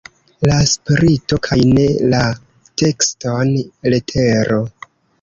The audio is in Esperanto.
La spirito kaj ne la tekston letero!